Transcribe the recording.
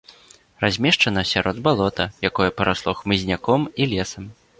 Размешчана сярод балота, якое парасло хмызняком і лесам.